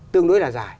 tương đối là dài